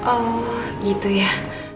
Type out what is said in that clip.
oh gitu ya